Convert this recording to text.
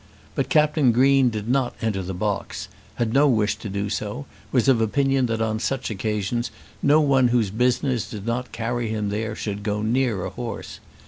But Captain Green did not enter the box, had no wish to do so, was of opinion that on such occasions no one whose business did not carry him there should go near a horse.